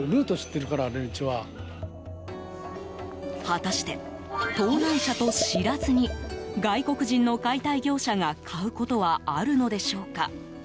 果たして、盗難車と知らずに外国人の解体業者が買うことはあるのでしょうか。